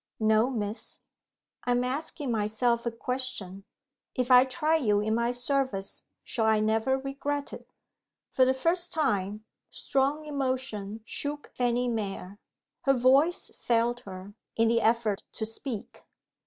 "No, Miss." "I am asking myself a question. If I try you in my service shall I never regret it?" For the first time, strong emotion shook Fanny Mere. Her voice failed her, in the effort to speak.